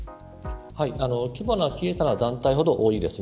規模が小さな団体ほど多いです。